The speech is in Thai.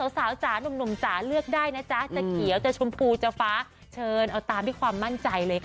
จ๋าหนุ่มจ๋าเลือกได้นะจ๊ะจะเขียวจะชมพูจะฟ้าเชิญเอาตามที่ความมั่นใจเลยค่ะ